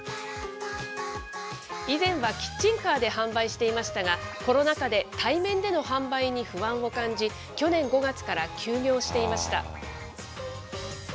以前はキッチンカーで販売していましたが、コロナ禍で対面での販売に不安を感じ、去年５月から休業していました。